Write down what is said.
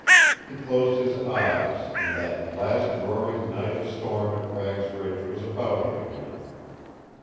He closed his eyes and that last roaring night of storm at Cragg's Ridge was about him again.